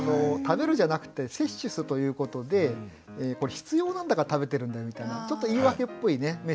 「食べる」じゃなくて「摂取す」ということでこれ必要なんだから食べてるんだよみたいなちょっと言い訳っぽいね